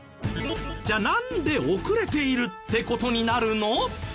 じゃあなんで遅れているって事になるの？